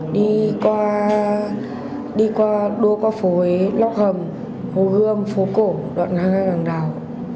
đi qua đua qua phố huế lóc hầm hồ gươm phố cổ đoạn hai mươi hai đằng đào